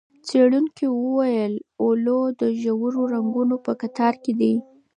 څېړونکو وویل، اولو د ژورو رنګونو په کتار کې دی.